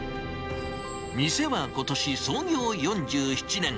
店はことし創業４７年。